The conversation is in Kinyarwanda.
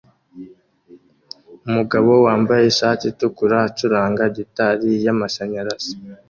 Umugabo wambaye ishati itukura acuranga gitari yamashanyarazi